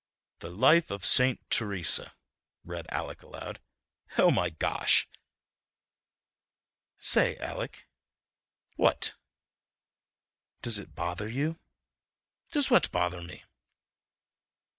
"'The Life of St. Teresa,'" read Alec aloud. "Oh, my gosh!" "Say, Alec." "What?" "Does it bother you?" "Does what bother me?"